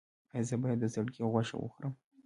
ایا زه باید د زرکې غوښه وخورم؟